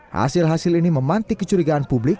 hasil hasil ini memanti kecurigaan publik